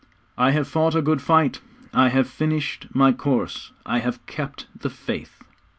'_I have fought a good fight, I have finished my course, I have kept the faith.